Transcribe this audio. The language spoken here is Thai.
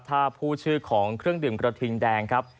ถ้าพูดชื่อของเครื่องดื่มกระทิงแดงครับ